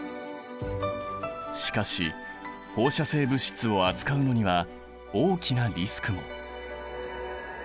しかし放射性物質を扱うのには大きなリスクも。